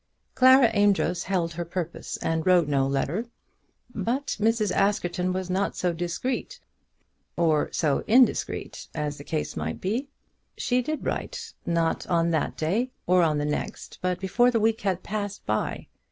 Clara Amedroz held her purpose and wrote no letter, but Mrs. Askerton was not so discreet, or so indiscreet, as the case might be. She did write, not on that day or on the next, but before a week had passed by.